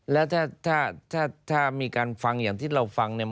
แล้วถ้าถ้ามีการฟังอย่างที่เราฟังเนี่ย